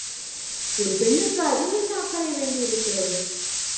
ஒரு பெண்ணுக்கு அதில் என்ன அக்கறை வேண்டியிருக்கிறது?